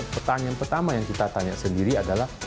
pertanyaan pertama yang kita tanya sendiri adalah